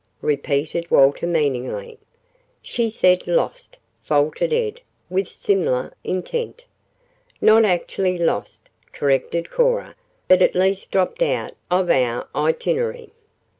repeated Walter meaningly. "She said 'lost,'" faltered Ed with similar intent. "Not actually lost," corrected Cora, "but at least dropped out of our itinerary."